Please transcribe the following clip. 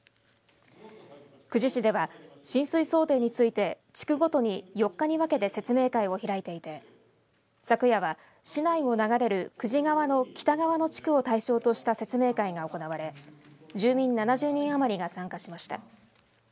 久慈市では、浸水想定について地区ごとに４日に分けて説明会を開いていて昨夜は市内を流れる久慈川の北側の地区を対象とした説明会が行われ住民７０人余りが参加しました。